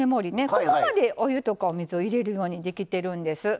ここまでお湯とかお水を入れるようにできてるんです。